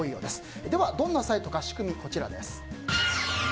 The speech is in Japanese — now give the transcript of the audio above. では、どんなサイトか仕組みです。